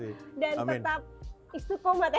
saya tetap istiqomah